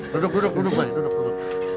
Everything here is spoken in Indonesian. duduk duduk duduk doi